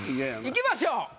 いきましょう。